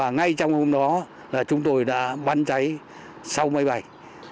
ngay trong hôm đó là chúng tôi đã bắn cháy sáu máy bay